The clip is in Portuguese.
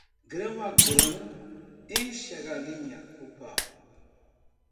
Grão a grão, enche a galinha o papo.